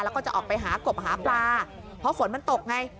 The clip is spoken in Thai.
แล้วก็จะออกไปหากบหาปลาเพราะฝนมันตกไง